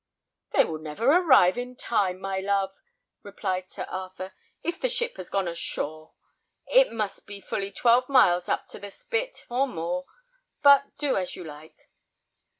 "They will never arrive in time, my love," replied Sir Arthur, "if the ship has got ashore. It must be fully twelve miles up to the spit, or more; but do as you like."